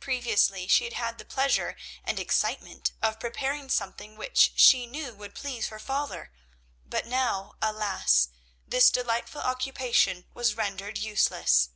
Previously she had had the pleasure and excitement of preparing something which she knew would please her father, but now, alas, this delightful occupation was rendered useless!